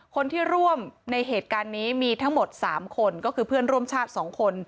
คนที่ร่วมในเหตุการณ์นี้มีทั้งหมด๓คนก็คือเพื่อนร่วมชาติ๒คน